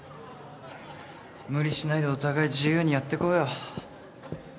無理しないでお互い自由にやってこうよ。